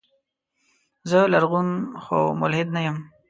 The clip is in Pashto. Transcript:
زه لرغون خو ملحد نه يم.